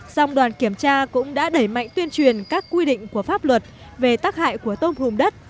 dòng đoàn kiểm tra cũng đã đẩy mạnh tuyên truyền các quy định của pháp luật về tắc hại của tôm hùng đất